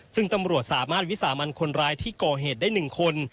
ซึ่งตำรวจสามารถวิสามันคนร้ายที่ก่อเหตุได้๑คน